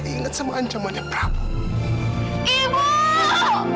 dan jangan bikin ibu susah terus